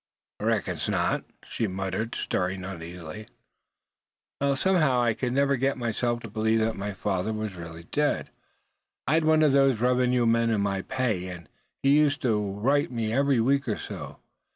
"I reckons not," she muttered, stirring uneasily. "Well, somehow I never could get myself to believe that my father was really dead. I had one of the revenue men in my pay, and he used to write me every week or so.